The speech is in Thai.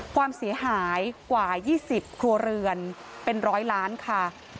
ความเสียหายกว่า๒๐ครัวเรือนเป็น๑๐๐ล้านค่ะ